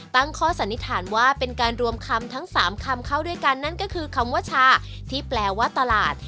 ตั้งข้อสันนิษฐานว่าเป็นการรวมคำทั้ง๓คำเข้าด้วยกันนั่นก็คือคำว่าชาที่แปลว่าตลาด